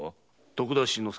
徳田新之助。